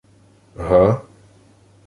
— Га?